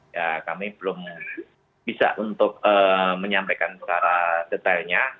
ya kami belum bisa untuk menyampaikan secara detailnya